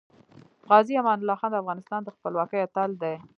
غازې امان الله خان د افغانستان د خپلواکۍ اتل دی .